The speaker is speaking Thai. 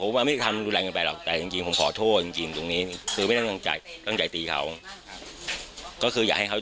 เพราะตีเกราะสิ่งที่ตีแล้วเขาก็เสียใจเขาก็เจ็บ